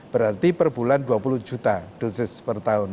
berarti per bulan dua puluh juta dosis per tahun